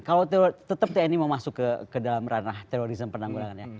kalau tetap tni mau masuk ke dalam ranah terorisme penanggulangannya